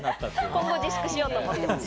今後、自粛しようと思ってます。